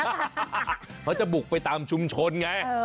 เขาจะบุกไปตามชุมชนไง